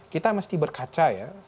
kita mesti berkaca ya